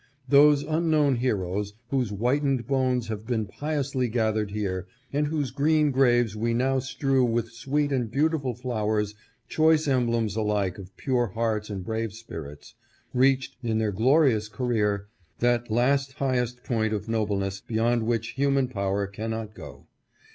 '' Those unknown heroes whose whitened bones have been piously 506 UNKNOWN LOYAL DEAD. gathered here, and whose green graves we now strew with sweet and beautiful flowers choice emblems alike of pure hearts and brave spirits, reached, in their glorious career that last highest point of nobleness beyond which human power cannot go.